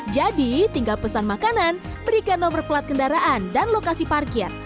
jadi tinggal pesan makanan berikan nomor plat kendaraan dan lokasi parkir